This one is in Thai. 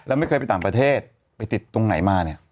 แล้วไม่เคยไปต่างประเทศไปติดตรงไหนมาเนี่ย